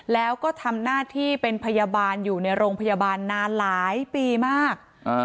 แล้วก็ทำหน้าที่เป็นพยาบาลอยู่ในโรงพยาบาลนานหลายปีมาก